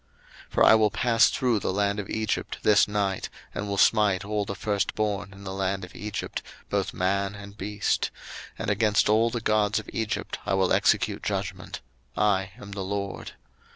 02:012:012 For I will pass through the land of Egypt this night, and will smite all the firstborn in the land of Egypt, both man and beast; and against all the gods of Egypt I will execute judgment: I am the LORD.